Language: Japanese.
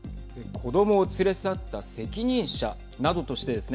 子どもを連れ去った責任者などとしてですね